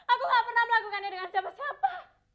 aku enggak pernah melakukan ini dengan siapa siapa